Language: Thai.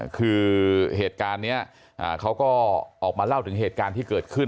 คือเหตุการณ์นี้เขาก็ออกมาเล่าถึงเหตุการณ์ที่เกิดขึ้น